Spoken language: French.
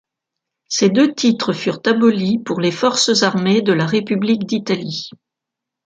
Ces deux titres furent abolis pour les forces armées de la République d'Italie.